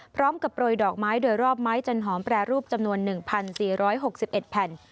พร้อมกับปล่อยดอกไม้โดยรอบไม้จันหอมแปรรูปจำนวนหนึ่งพันสี่ร้อยหกสิบเอ็ดแผ่น